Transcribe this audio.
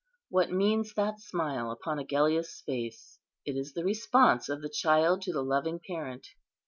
What means that smile upon Agellius's face? It is the response of the child to the loving parent.